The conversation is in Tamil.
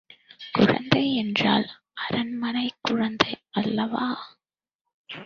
குழந்தை யென்றால் அரண்மனைக் குழந்தை அல்லவா?